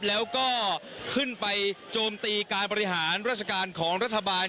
แล้วก็ขึ้นไปโจมตีการบริหารราชการของรัฐบาล